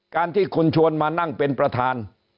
ที่คุณชวนมานั่งเป็นประธาน